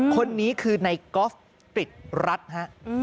คนนี้คือในกอล์ฟกริจรัฐฮะ